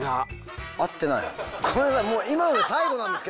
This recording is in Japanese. ごめんなさいもう。